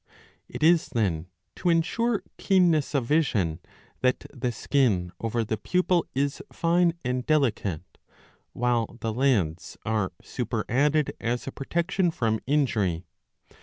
It is then to ensure keenness of vision that the skin over the pupil is fine and delicate ; while the lids are superadded as a protection from injury.